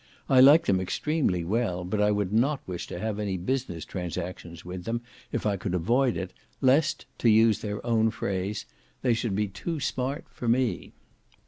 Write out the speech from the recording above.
I like them extremely well, but I would not wish to have any business transactions with them, if I could avoid it, lest, to use their own phrase, "they should be too smart for me."